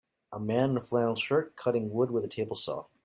A man in a flannel shirt cutting wood with a table saw.